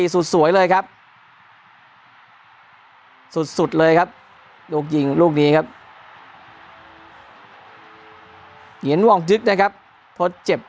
สุดเลยครับลูกยิงลูกนี้ครับเงียนวองดึกนะครับทดเจ็บ